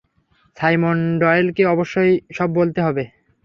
Simon ডয়েলকে অবশ্যই সব বলতে হবে।